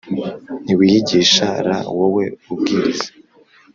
ntiwiyigisha r Wowe ubwiriza